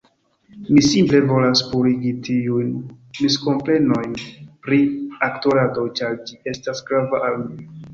Mi simple volas purigi tiujn miskomprenojn pri aktorado, ĉar ĝi estas grava al mi.